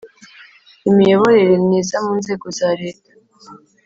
imiyoborere myiza mu nzego za Leta